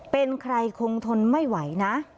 เป็นใครคงทนไม่ไหวนะ